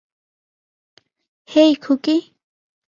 হেই, Khuki.